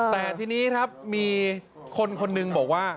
แต่ทีนี้ครับมีคนคนหนึ่งบอกว่า